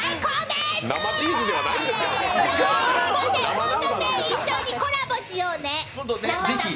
今度一緒にコラボしようね。